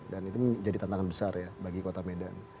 dan itu menjadi tantangan besar ya bagi kota medan